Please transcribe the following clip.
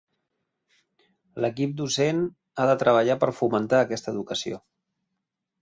L'equip docent ha de treballar per fomentar aquesta educació.